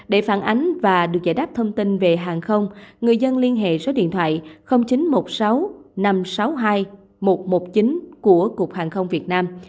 để phản ánh và được giải đáp thông tin về hàng không người dân liên hệ số điện thoại chín trăm một mươi sáu năm trăm sáu mươi hai một trăm một mươi chín của cục hàng không việt nam